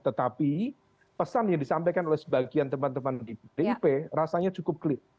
tetapi pesan yang disampaikan oleh sebagian teman teman di pdip rasanya cukup klik